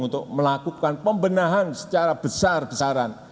untuk melakukan pembenahan secara signifikan